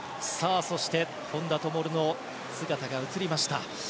そして、本多灯の姿が映りました。